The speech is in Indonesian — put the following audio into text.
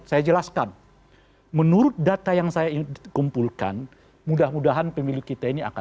saya jelaskan menurut data yang saya kumpulkan mudah mudahan pemilu kita ini akan